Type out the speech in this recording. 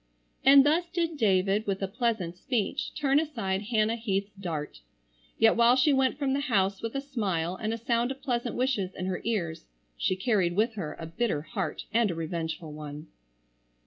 And thus did David, with a pleasant speech, turn aside Hannah Heath's dart. Yet while she went from the house with a smile and a sound of pleasant wishes in her ears, she carried with her a bitter heart and a revengeful one.